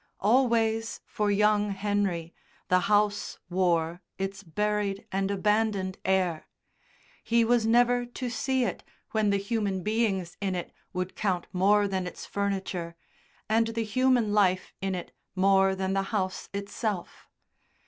Always for young Henry the house wore its buried and abandoned air. He was never to see it when the human beings in it would count more than its furniture, and the human life in it more than the house itself.